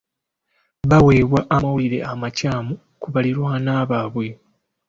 Baaweebwa amawulire amakyamu ku baliraanwa baabwe.